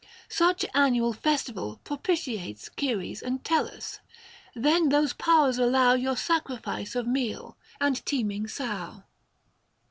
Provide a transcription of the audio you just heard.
Such annual festival propitiates Ceres and Tellus, then those powers allow Your sacrifice of meal, and teeming sow.